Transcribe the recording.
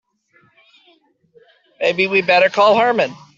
Maybe we'd better call Herman.